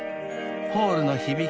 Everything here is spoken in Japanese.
［ホールの響き